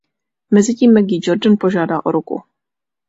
Mezitím Maggie Jordan požádá o ruku.